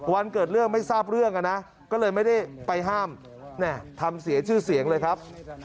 เกิดเรื่องไม่ทราบเรื่องนะก็เลยไม่ได้ไปห้ามทำเสียชื่อเสียงเลยครับ